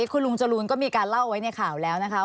คุณลุงจรูนก็มีการเล่าไว้ในข่าวแล้วนะคะ